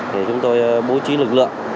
thì chúng tôi bố trí lực lượng